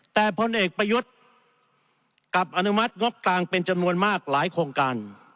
แต่พลเอกประยุทธ์กลับอนุมัติงบกลางเป็นจำนวนมากหลายโครงการ